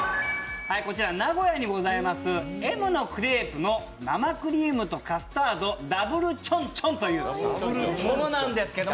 名古屋にございますＭのクレープの生クリームとカスタードＷちょんちょんというものなんですけど。